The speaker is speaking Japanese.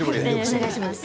お願いします。